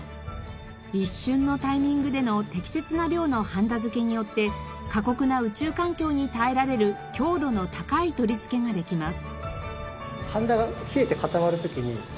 一瞬のタイミングでの適切な量のはんだ付けによって過酷な宇宙環境に耐えられる強度の高い取り付けができます。